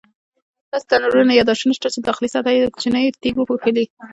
داسې تنورونه یا داشونه شته چې داخلي سطحه یې په کوچنیو تیږو پوښلې.